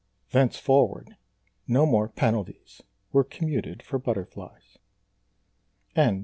Thenceforward no more penalties were commuted for butterflies. CXL.